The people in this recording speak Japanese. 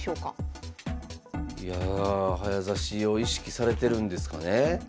いや早指しを意識されてるんですかね。